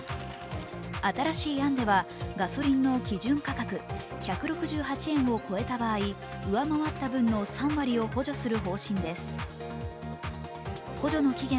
新しい案ではガソリンの基準価格、１６８円を超えた場合、上回った分の３割を補助する方針です。